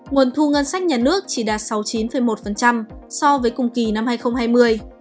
nguồn thu ngân sách nhà nước chỉ đạt sáu mươi chín một so với cùng kỳ năm hai nghìn hai mươi